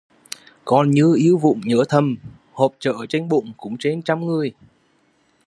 Còn như yêu vụng nhớ thầm, họp chợ trên bụng cũng trên trăm người